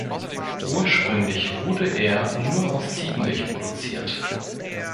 Ursprünglich wurde er nur aus Ziegenmilch produziert.